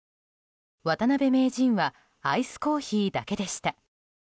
渡辺名人はアイスコーヒーだけでした。